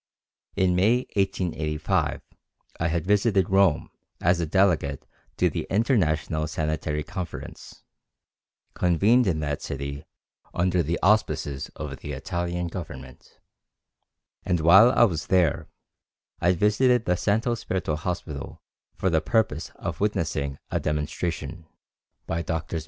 In May, 1885, I had visited Rome as a delegate to the International Sanitary Conference, convened in that city under the auspices of the Italian Government, and while there I visited the Santo Spirito Hospital for the purpose of witnessing a demonstration, by Drs.